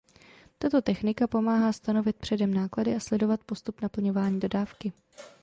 Tato technika pomáhá stanovit předem náklady a sledovat postup naplňování dodávky.